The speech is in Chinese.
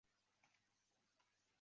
要是我有时间